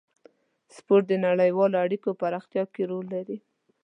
سپورت د نړیوالو اړیکو په پراختیا کې رول لري.